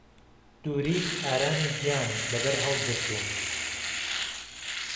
دووریت ئارامی ، گیان، له بهر ههڵگرتووم